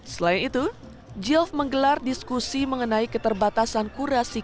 selain itu jilf menggelar diskusi mengenai keterbatasan kurasi